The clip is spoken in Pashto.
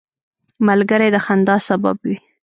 ملګری د خندا سبب وي